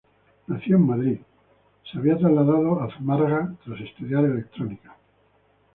Nacido en Madrid, se había trasladado a Zumárraga tras estudiar electrónica.